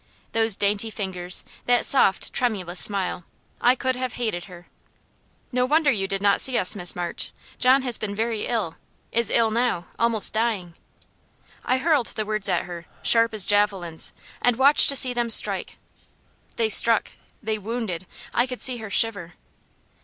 Those dainty fingers that soft, tremulous smile I could have hated her! "No wonder you did not see us, Miss March; John has been very ill, is ill now almost dying." I hurled the words at her, sharp as javelins, and watched to see them strike. They struck they wounded; I could see her shiver.